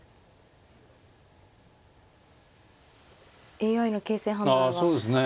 ＡＩの形勢判断はだいぶ。